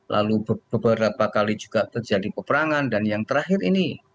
lalu beberapa kali juga terjadi peperangan dan yang terakhir ini